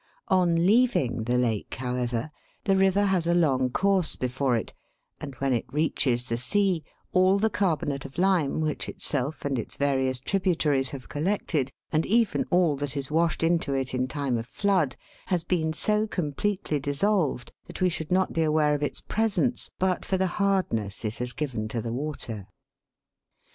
On leaving the lake, however, the river has a long course before it, and when it reaches the sea all the carbonate of lime which itself and its various tributaries have collected, and even all that is washed into it in time of flood, has been so completely dissolved that we should not be aware of its presence but for the hardness it has given to the water.